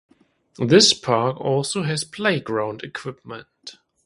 This park also has playground equipment.